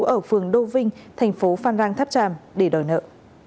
ở phường đô vinh thành phố phan rang tháp tràm để đòi nợ